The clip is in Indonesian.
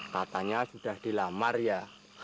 katanya sudah dilamar ya